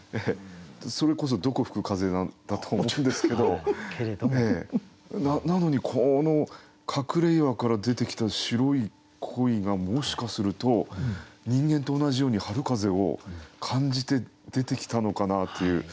それこそどこ吹く風なんだと思うんですけどなのにこの隠れ岩から出てきた白い鯉がもしかすると人間と同じように春風を感じて出てきたのかなという。